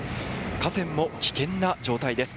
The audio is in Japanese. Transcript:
河川も危険な状態です。